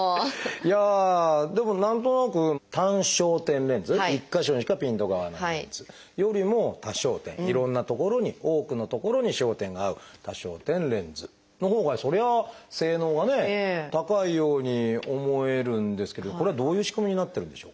いやあでも何となく単焦点レンズ１か所にしかピントが合わないレンズよりも多焦点いろんな所に多くの所に焦点が合う多焦点レンズのほうがそりゃ性能はね高いように思えるんですけどこれはどういう仕組みになってるんでしょうか？